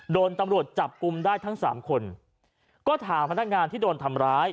โดนตำรวจจับกลุ่มได้ทั้งสามคนก็ถามพนักงานที่โดนทำร้าย